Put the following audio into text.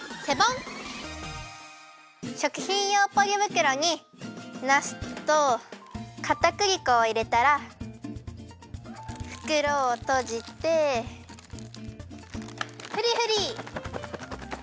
しょくひんようポリぶくろになすとかたくり粉をいれたらふくろをとじてフリフリ！